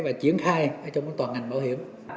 và triển khai trong toàn ngành bảo hiểm